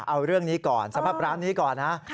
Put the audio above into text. เอาเรื่องนี้ก่อนสำหรับร้านนี้ก่อนนะ